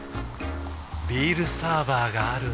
ビールサーバーがある夏。